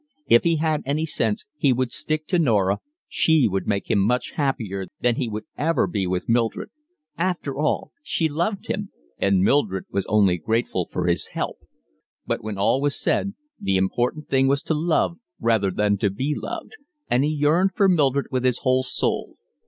If he had any sense he would stick to Norah, she would make him much happier than he would ever be with Mildred: after all she loved him, and Mildred was only grateful for his help. But when all was said the important thing was to love rather than to be loved; and he yearned for Mildred with his whole soul.